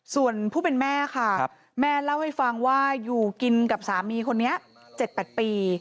ส่วนผู้เป็นแม่ค่ะแม่เล่าให้ฟังว่าอยู่กินกับสามีคนนี้๗๘ปี